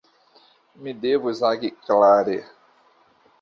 Mi devus agi klare.